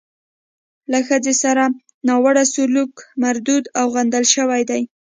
له ښځې سره ناوړه سلوک مردود او غندل شوی دی.